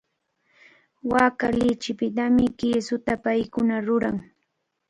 Waaka lichipitami kisuta paykuna ruran.